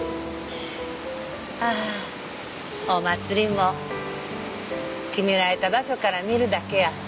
ああお祭りも決められた場所から見るだけやった。